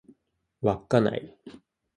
稚内